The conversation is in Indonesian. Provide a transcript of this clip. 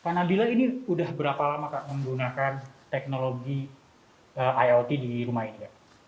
pak nabila ini udah berapa lama kak menggunakan teknologi iot di rumah ini